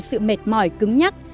sự mệt mỏi cứng nhắc